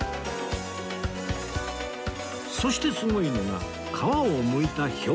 そしてすごいのが皮をむいた表面